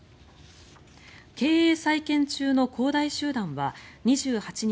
経営再建中の恒大集団は２８日